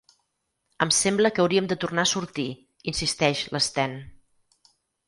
Em sembla que hauríem de tornar a sortir —insisteix l'Sten.